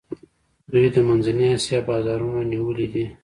دوی د منځنۍ آسیا بازارونه نیولي دي.